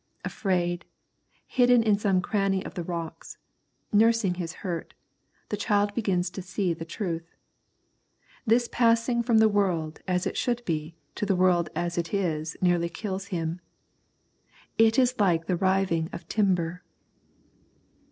Afraid, hidden in some cranny of the rocks, nursing his hurt, the child begins to see the truth. This passing from the world as it should be to the world as it is nearly kills him. It is like the riving of timber.